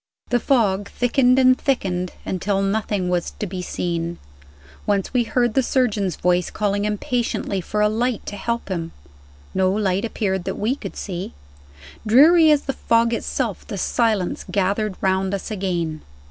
The fog thickened and thickened, until nothing was to be seen. Once we heard the surgeon's voice, calling impatiently for a light to help him. No light appeared that we could see. Dreary as the fog itself, the silence gathered round us again.